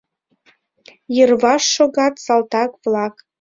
Йырваш шогат салтак-влак